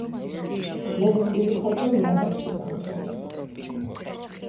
მოზრდილი ხოჭო ნიადაგში ზამთრობს.